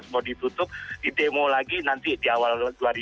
dua ribu tujuh belas mau ditutup ditemo lagi nanti di awal dua ribu dua puluh